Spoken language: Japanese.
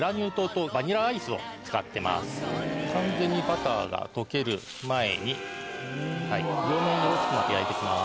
完全にバターが溶ける前に両面に色付くまで焼いて行きます。